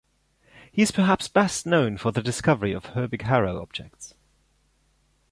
He is perhaps best known for the discovery of Herbig-Haro objects.